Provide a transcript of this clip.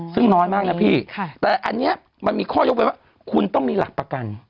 ซึ่งน้อยมากนะพี่แต่อันนี้มันมีข้อยกเว้นว่าคุณต้องมีหลักประกัน